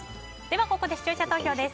ここで視聴者投票です。